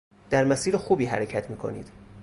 در مسیر خوبی حرکت می کنید.